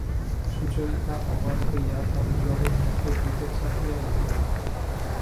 সুচরিতা অবাক হইয়া পরেশবাবুর মুখের দিকে চাহিয়া রহিল।